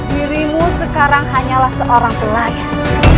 dirimu sekarang hanyalah seorang pelangi